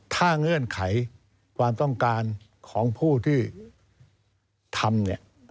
ถ้าเงื่อนไขความต้องการของผู้ที่ทำเนี่ย